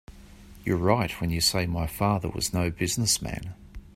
You're right when you say my father was no business man.